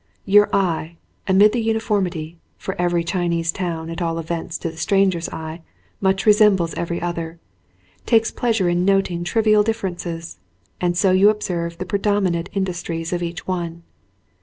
Your eye, amid the uniformity, for every Chinese town, at all events to the stranger's eye, much resembles every other, takes pleasure in noting trivial dif ferences, and so you observe the predominant in dustries of each one.